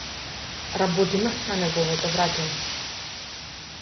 Работиме на неговото враќање.